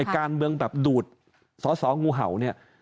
การเมืองแบบดูดสอสองูเห่าเนี่ย